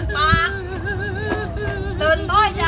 เมื่อ